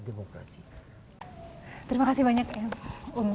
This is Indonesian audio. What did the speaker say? dia berusia dua belas tahun